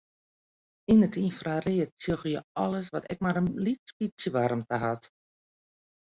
Yn it ynfraread sjogge je alles wat ek mar in lyts bytsje waarmte hat.